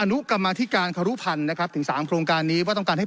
นุกรรมธิการครุพันธ์นะครับถึง๓โครงการนี้ว่าต้องการให้